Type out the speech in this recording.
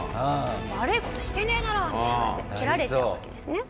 「悪い事してねえだろ！」みたいな感じで蹴られちゃうわけですね。